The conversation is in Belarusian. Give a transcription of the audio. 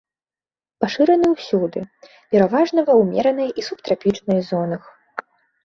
Пашыраны ўсюды, пераважна ва ўмеранай і субтрапічнай зонах.